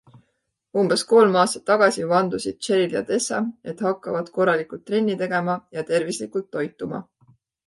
Umbes kolm aastat tagasi vandusid Cheryl ja Tessa, et hakkavad korralikult trenni tegema ja tervislikult toituma.